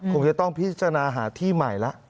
คงจะต้องพิจารณาหาที่ใหม่แล้ว